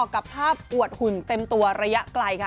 กับภาพอวดหุ่นเต็มตัวระยะไกลค่ะ